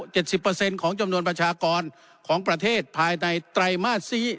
สิบเปอร์เซ็นต์ของจำนวนประชากรของประเทศภายในไตรมาสสี่